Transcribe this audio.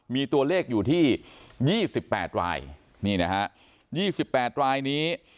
มีตัวเลขอยู่ที่ยี่สิบแปดรายนี่นะฮะยี่สิบแปดรายนี้